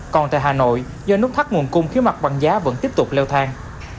còn tại hà nội do nút thắt nguồn cung khiếu mặt bằng giá vẫn tiếp tục leo thang